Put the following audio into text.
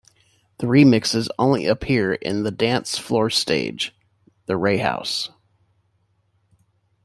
The remixes only appear in the Dance Floor stage, The Ray House.